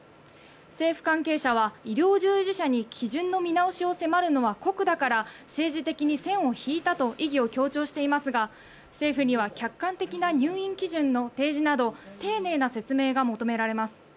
政府関係者は、医療従事者に基準の見直しを迫るのは酷だから政治的に線を引いたと意義を強調していますが政府には客観的な入院基準の提示など丁寧な説明が求められます。